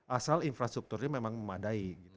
asal infrastrukturnya memang memadai gitu